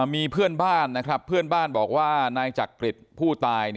มีเพื่อนบ้านบอกว่านายจักริตผู้ตาย